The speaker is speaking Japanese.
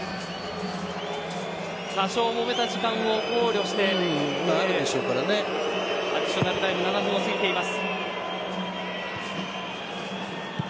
多少もめた時間を考慮してアディショナルタイム７分を過ぎています。